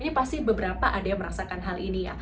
ini pasti beberapa ada yang merasakan hal ini ya